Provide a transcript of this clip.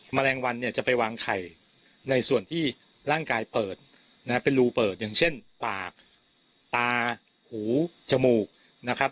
แมลงวันเนี่ยจะไปวางไข่ในส่วนที่ร่างกายเปิดนะครับเป็นรูเปิดอย่างเช่นปากตาหูจมูกนะครับ